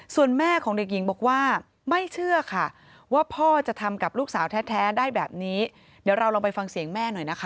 ส่วนแม่ของเด็กหญิงบอกว่าไม่เชื่อค่ะว่าพ่อจะทำกับลูกสาวแท้ได้แบบนี้เดี๋ยวเราลองไปฟังเสียงแม่หน่อยนะคะ